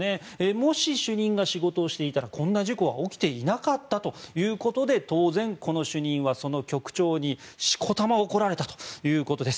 もし、主任が仕事をしていたらこんな事故は起きていなかったということで当然、この主任はその局長にしこたま怒られたということです。